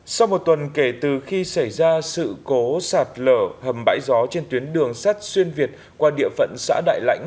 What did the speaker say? sau một tuần kể từ khi xảy ra sự cố sạt lở hầm bãi gió trên tuyến đường sắt xuyên việt qua địa phận xã đại lãnh